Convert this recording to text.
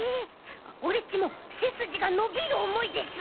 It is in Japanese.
オレっちもせすじがのびるおもいです。